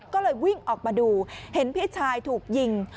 ก็เลยวิ่งออกมาดูเห็นพี่ชายถูกยิง